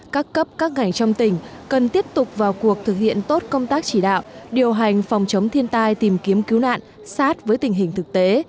các cấp các ngành trong tỉnh cần tiếp tục vào cuộc thực hiện tốt công tác chỉ đạo điều hành phòng chống thiên tai tìm kiếm cứu nạn sát với tình hình thực tế